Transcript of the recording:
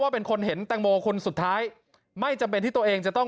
เป็นคนเห็นแตงโมคนสุดท้ายไม่จำเป็นที่ตัวเองจะต้อง